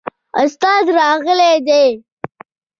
استاد راغلی دی؟